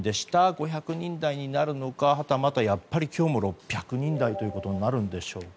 ５００人台になるのかはたまたやっぱり今日も６００人台ということになるんでしょうか。